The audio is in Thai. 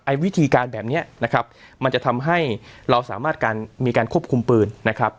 วิธีการแบบนี้นะครับมันจะทำให้เราสามารถการมีการควบคุมปืนนะครับ